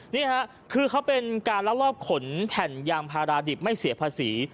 นี่ค่ะคือเขาเป็นการลักลอบขนแผ่นยางพาราดิบไม่เสียภาษี